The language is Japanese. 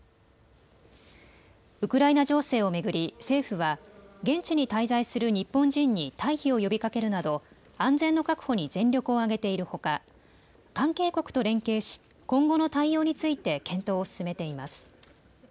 政府は現地に滞在する日本人に退避を呼びかけるなど安全の確保に全力を挙げているほか関係国と連携し今後の対応について検討を進めています。